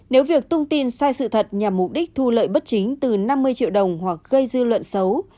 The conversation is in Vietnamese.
nếu việc tung tin sai sự thật nhằm mục đích thu lợi bất chính từ năm mươi triệu đồng hoặc gây dư luận xấu